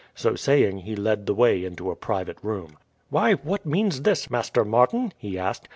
So saying he led the way into a private room. "Why, what means this, Master Martin?" he asked.